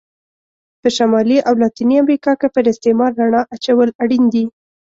په شمالي او لاتینې امریکا کې پر استعمار رڼا اچول اړین دي.